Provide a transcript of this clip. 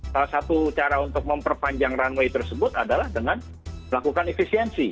salah satu cara untuk memperpanjang runway tersebut adalah dengan melakukan efisiensi